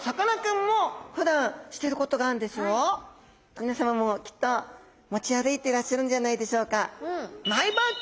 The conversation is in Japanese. みなさまもきっと持ち歩いていらっしゃるんじゃないでしょうか？